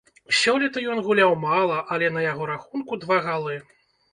Сёлета ён гуляў мала, але на яго рахунку два галы.